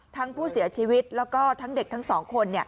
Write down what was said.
ทั้งผู้เสียชีวิตแล้วก็ทั้งเด็กทั้งสองคน